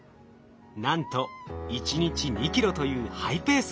なんと１日２ｋｇというハイペース。